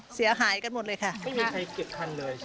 เสียหายกันหมดเลยค่ะไม่มีใครเก็บทันเลย